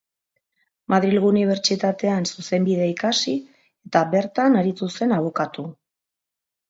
Madrilgo Unibertsitatean zuzenbidea ikasi eta bertan aritu zen abokatu.